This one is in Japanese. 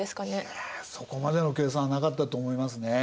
いやそこまでの計算はなかったと思いますね。